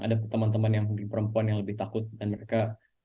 ada teman teman yang mungkin perempuan yang lebih takut dan mereka